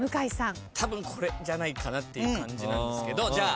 たぶんこれじゃないかなっていう感じなんですけど。